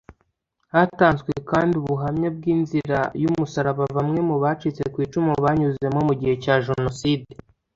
Hatanzwe kandi ubuhamya bw’inzira y’umusaraba bamwe mu bacitse ku icumu banyuzemo mu gihe cya Jenoside